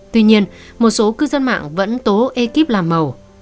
tuy nhiên một số cư dân mạng vẫn tố ekip làm màu